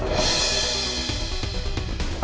betul sekali pak